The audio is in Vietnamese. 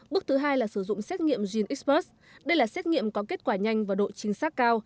bước thứ hai là sử dụng xét nghiệm genexpert đây là xét nghiệm có kết quả nhanh và độ chính xác cao